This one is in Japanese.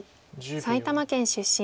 埼玉県出身。